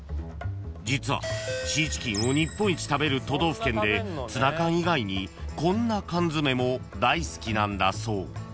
［実はシーチキンを日本一食べる都道府県でツナ缶以外にこんな缶詰も大好きなんだそう］